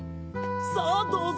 さぁどうぞ！